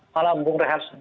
salam bung rehan